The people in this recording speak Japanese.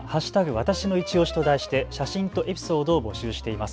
わたしのいちオシと題して写真とエピソードを募集しています。